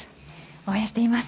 応援しています。